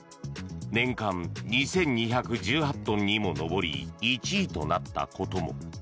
年間２２１８トンにも上り１位となったことも。